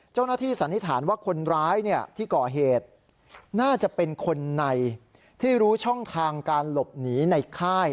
สันนิษฐานว่าคนร้ายที่ก่อเหตุน่าจะเป็นคนในที่รู้ช่องทางการหลบหนีในค่าย